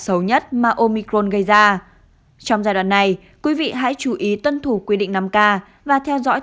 xấu nhất mà omicron gây ra trong giai đoạn này quý vị hãy chú ý tuân thủ quy định năm k và theo dõi